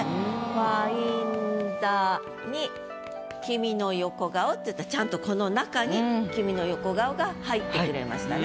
「ファインダに君の横顔」っていったらちゃんとこの中に君の横顔が入ってくれましたね。